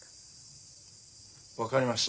分かりました。